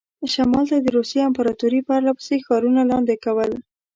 شمال ته د روسیې امپراطوري پرله پسې ښارونه لاندې کول.